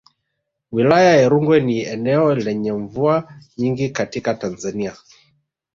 Wilaya ya Rungwe ni eneo lenye mvua nyingi katika Tanzania